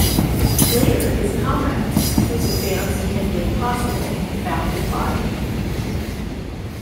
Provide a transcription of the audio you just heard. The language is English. Later, his comrades, whose advance he had made possible, found his body.